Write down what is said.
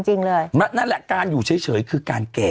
จริงนั่นแหละการใช้เฉยคือการแก่